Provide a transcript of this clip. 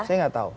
saya gak tahu